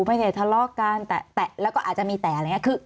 ไม่ได้ทะเลาะกันแตะแล้วก็อาจจะมีแตะอะไรอย่างนี้